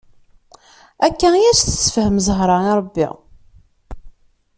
Akka i as-tessefhem Zahra i rebbi.